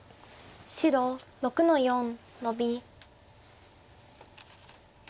白６の四ノビ。